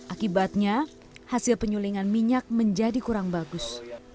akibatnya hasil penyulingan minyak menjadi kurang bagus